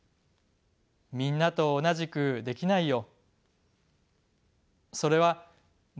「みんなとおなじくできないよ」。